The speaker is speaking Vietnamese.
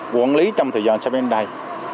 quản lý trong thời gian sắp đến đây